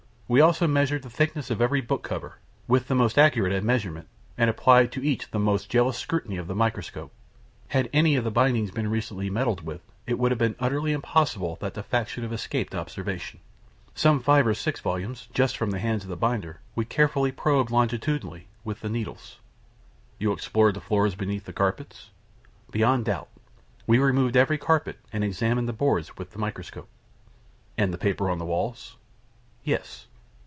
We also measured the thickness of every book cover, with the most accurate admeasurement, and applied to each the most jealous scrutiny of the microscope. Had any of the bindings been recently meddled with, it would have been utterly impossible that the fact should have escaped observation. Some five or six volumes, just from the hands of the binder, we carefully probed, longitudinally, with the needles." "You explored the floors beneath the carpets?" "Beyond doubt. We removed every carpet, and examined the boards with the microscope." "And the paper on the walls?" "Yes."